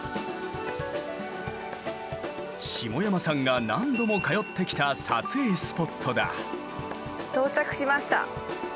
下山さんが何度も通ってきた撮影スポットだ。